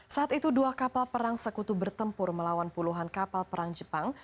saat itu dua kapal perang sekutu bertempur melawan puluhan kapal perang jepang